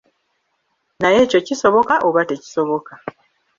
Naye ekyo kisoboka oba tekisoboka?